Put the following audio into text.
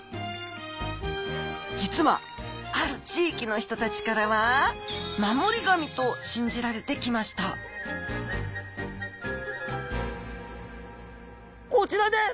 実はある地域の人たちからは守り神と信じられてきましたこちらです。